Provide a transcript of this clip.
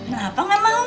kenapa gak mau